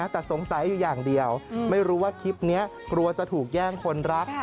แต่สงสัยอยู่อย่างเดียวไม่รู้ว่าคลิปนี้กลัวจะถูกแย่งคนรัก